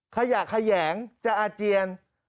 ขยะแขยงจะอาเจียน